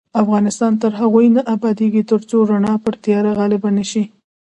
افغانستان تر هغو نه ابادیږي، ترڅو رڼا پر تیاره غالبه نشي.